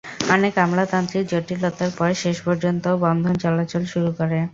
অনেক আমলাতান্ত্রিক জটিলতার পর শেষ পর্যন্ত বন্ধন চলাচল শুরু করে।